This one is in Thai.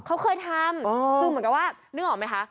เขาเคยทำคือเหมือนกับว่านึกออกไหมคะ